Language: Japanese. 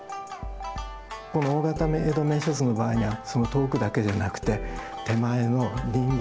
この大型の江戸名所図の場合には遠くだけじゃなくて手前の人間の織り成す